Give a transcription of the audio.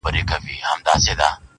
د دوزخي حُسن چيرمني جنتي دي کړم.